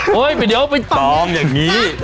ตอมอย่างงี้